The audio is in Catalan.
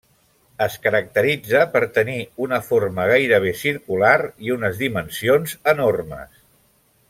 Es caracteritza per tenir una forma gairebé circular i unes dimensions enormes.